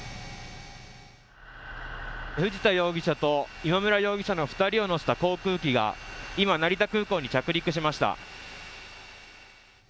藤田容疑者と今村容疑者の２人を乗せた航空機が今、成田空港に着陸しました。